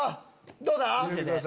どうだ？